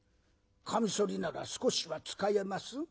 かみそりなら少しは使えます？